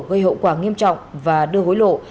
gây hậu quả nghiêm trọng và đưa hối lộ